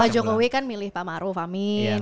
pak jokowi kan milih pak maruf amin